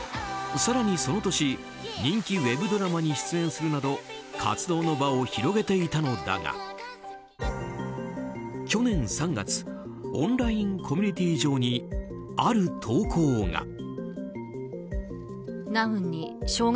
更にその年人気ウェブドラマに出演するなど活動の場を広げていたのだが去年３月オンラインコミュニティー上にある投稿が。